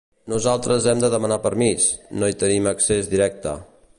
Nosaltres hem de demanar permís, no hi tenim accés directe.